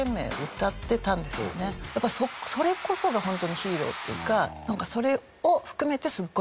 やっぱそれこそがホントにヒーローっていうか。